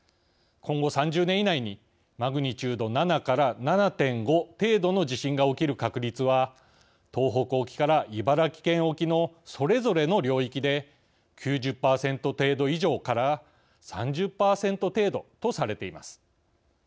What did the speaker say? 今後３０年以内にマグニチュード７から７．５程度の地震が起きる確率は東北沖から茨城県沖のそれぞれの領域で９０％程度以上から３０％程度とされています。